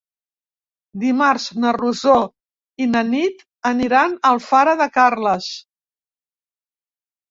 Dimarts na Rosó i na Nit aniran a Alfara de Carles.